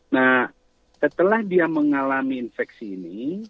nah setelah dia mengalami infeksi ini